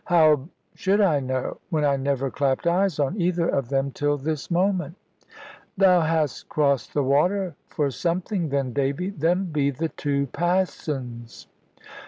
"How should I know when I never clapped eyes on either of them till this moment?" "Thou hast crossed the water for something then, Davy. Them be the two Passons!"